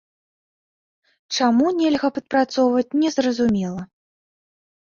Чаму нельга падпрацоўваць, незразумела.